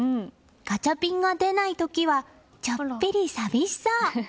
ガチャピンが出ない時はちょっぴり寂しそう。